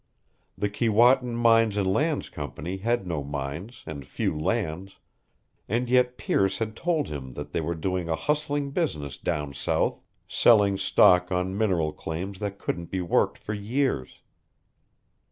The Keewatin Mines and Lands Company had no mines and few lands, and yet Pearce had told him that they were doing a hustling business down south, selling stock on mineral claims that couldn't be worked for years.